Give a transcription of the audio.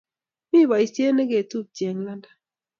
Mi poisyet neketupche eng' London.